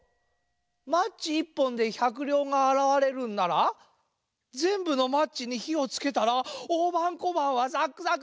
マッチ１ぽんで１００りょうがあらわれるんならぜんぶのマッチにひをつけたらおおばんこばんはザックザク。